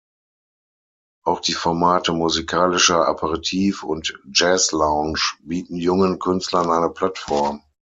Auch die Formate „Musikalischer Aperitif“ und „Jazz Lounge“ bieten jungen Künstlern eine Plattform.